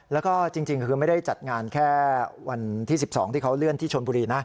แล้วก็จริงคือไม่ได้จัดงานแค่วันที่๑๒ที่เขาเลื่อนที่ชนบุรีนะ